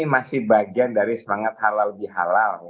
masih bagian dari semangat halal di halal